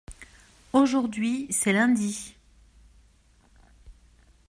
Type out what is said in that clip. Aujourd’hui c’est lundi.